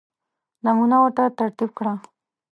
نمونه ورته ترتیب کړه.